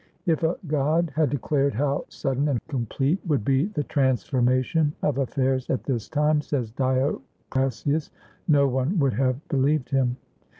"If a god had declared how sudden and complete would be the transformation of affairs at this time," says Dio Cassius, "no one would have be lieved him."